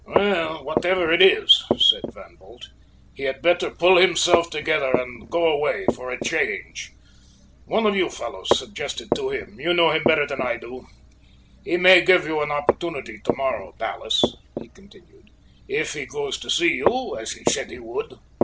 "Well, whatever it is," said Van Bult, "he had better pull himself together and go away for a change. One of you fellows suggest it to him, you know him better than I do. He may give you an opportunity to morrow, Dallas," he continued, "if he goes to see you as he said he would."